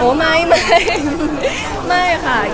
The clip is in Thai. เป็นแบบพี่สาเปิดตัวแล้วว่าแบบอยู่ข้างนี้